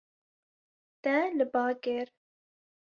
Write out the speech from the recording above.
Te li ba kir.